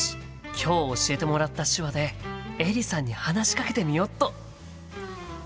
今日教えてもらった手話でエリさんに話しかけてみよっと！